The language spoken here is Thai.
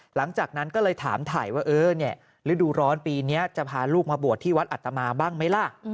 หลังจากนั้นก็เลยถามถ่ายว่าฤดูร้อนปีนี้จะพาลูกมาบวชที่วัดอัตมาบ้างไหมล่ะ